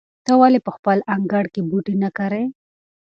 ته ولې په خپل انګړ کې بوټي نه کرې؟